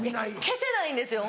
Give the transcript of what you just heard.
消せないんですよ